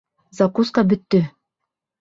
Закуска бөттө!